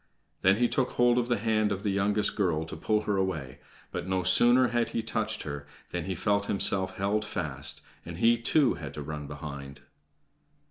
Then he took hold of the hand of the youngest girl to pull her away; but no sooner had he touched her than he felt himself held fast, and he, too, had to run behind.